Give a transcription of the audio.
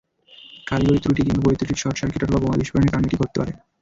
কারিগরি ত্রুটি, কিংবা বৈদ্যুতিক শর্টসার্কিট অথবা বোমা বিস্ফোরণের কারণে এটি ঘটতে পারে।